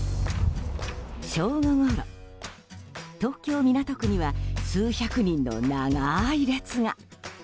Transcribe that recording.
正午ごろ、東京・港区には数百人の長い列が。